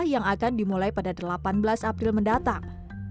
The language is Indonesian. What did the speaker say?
yang akan dimulai pada delapan belas april mendatang